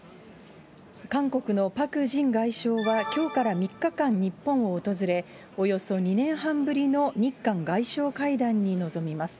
韓国のパク・ジン外相はきょうから３日間、日本を訪れ、およそ２年半ぶりの日韓外相会談に臨みます。